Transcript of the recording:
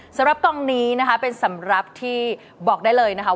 สำหรับกองนี้นะคะเป็นสำหรับที่บอกได้เลยนะคะ